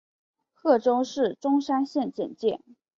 贺州市钟山县简介